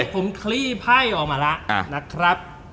ตอนนี้ผมคลีบให้ออกมาละนะครับ